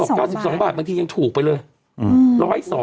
ไม่ได้พี่บอก๙๒บาทบางทียังถูกไปเลย